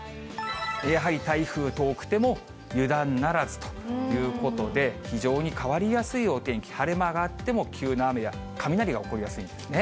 やはり台風遠くても油断ならずということで、非常に変わりやすいお天気、晴れ間があっても、急な雨や雷が起こりやすいんです